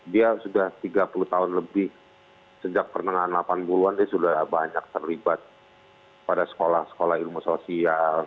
dia sudah tiga puluh tahun lebih sejak pertengahan delapan puluh an dia sudah banyak terlibat pada sekolah sekolah ilmu sosial